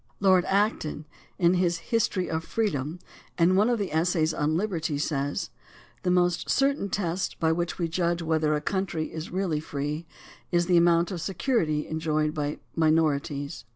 Lord Acton, in his History of Freedom* in one of the essays on Hberty, says: The most certain test by which we judge whether a country is really free is the amount of security enjoyed by minorities.